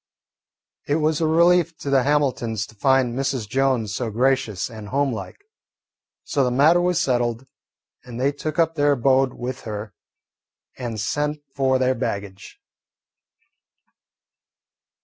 It was a relief to the Hamiltons to find Mrs. Jones so gracious and home like. So the matter was settled, and they took up their abode with her and sent for their baggage.